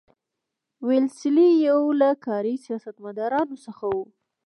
ویلسلي یو له کاري سیاستمدارانو څخه وو.